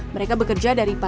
mereka bekerja dari jatiper